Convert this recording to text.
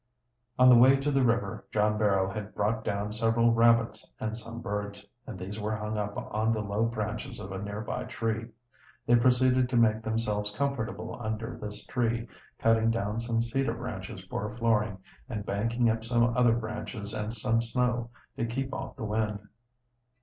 On the way to the river John Barrow had brought down several rabbits and some birds, and these were hung up on the low branches of a nearby tree. They proceeded to make themselves comfortable under this tree, cutting down some cedar branches for a flooring, and banking up some other branches and some snow to keep off the wind.